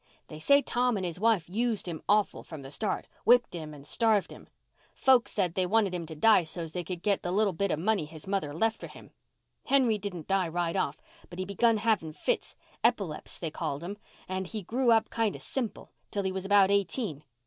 They say Tom and his wife used him awful from the start—whipped him and starved him. Folks said they wanted him to die so's they could get the little bit of money his mother had left for him. Henry didn't die right off, but he begun having fits—epileps, they called 'em—and he grew up kind of simple, till he was about eighteen.